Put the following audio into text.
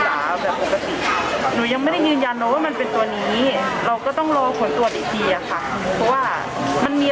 อะฟังเสียงก่อน